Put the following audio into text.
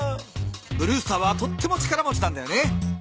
ブルースターはとっても力持ちなんだよね。